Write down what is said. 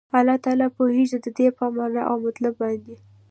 الله تعالی پوهيږي ددي په معنا او مطلب باندي